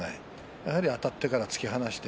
やはり、あたってから突き放して。